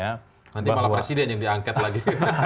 nanti malah presiden yang diangket lagi